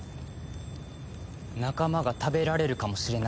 仲間が食べられるかもしれなかったんだぞ。